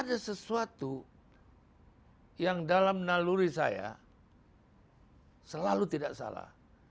ada sesuatu yang dalam naluri saya selalu tidak salah